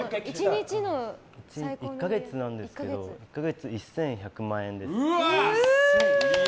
１か月なんですけど１１００万円です。